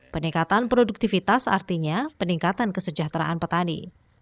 peningkatan produktivitas artinya peningkatan kesejahteraan petani